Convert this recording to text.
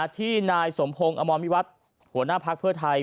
ที่นายสมพงศ์อมวัดหัวหน้าพักเพื่อไทย